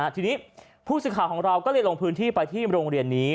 ทีนี้ผู้สื่อข่าวของเราก็เลยลงพื้นที่ไปที่โรงเรียนนี้